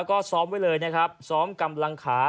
ก็ซ้อมไว้เลยซ้อมกำลังขา